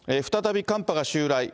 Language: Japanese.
再び寒波が襲来。